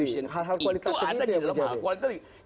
living konstitusi itu ada di dalam hal kualitatif